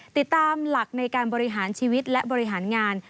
ติดตามหลักในการบริหารชีวิตและบริหารงาน